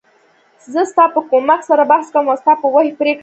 زه ستا په کومک سره بحث کوم او ستا په وحی پریکړه کوم .